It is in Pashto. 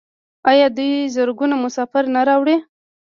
آیا دوی زرګونه مسافر نه راوړي؟